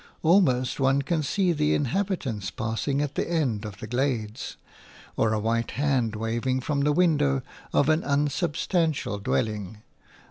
Almost one can see the inhabitants passing at the end of the glades, or a white hand waving from the window of an unsubstantial dwelling.